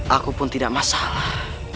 aku pun tidak masalah